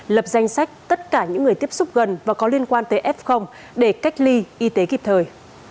lập danh sách tất cả những người tiếp xúc gần và có liên quan tới f để cách ly y tế kịp thời